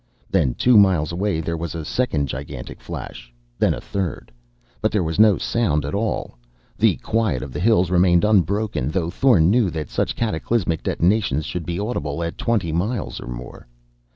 Then, two miles away, there was a second gigantic flash.... Then a third.... But there was no sound at all. The quiet of the hills remained unbroken, though Thorn knew that such cataclysmic detonations should be audible at twenty miles or more.